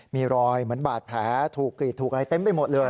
มีรอยเหมือนบาดแผลถูกกรีดถูกอะไรเต็มไปหมดเลย